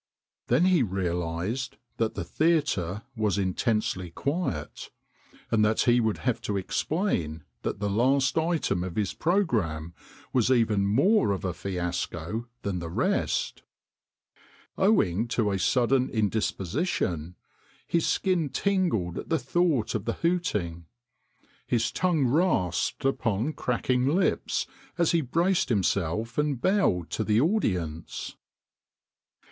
Then he realised that the theatre was intensely quiet, and that he would have to explain that the last item of his pro gramme was even more of a fiasco than the rest. Owing to a sudden indisposition his skin tingled at the thought of the hooting. His tongue rasped upon cracking lips as he braced himself and bowed to the audience.